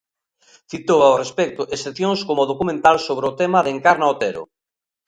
Citou, ao respecto, excepcións coma o documental sobre o tema de Encarna Otero.